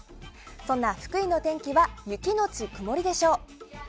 そんな福井の天気は雪のち曇りでしょう。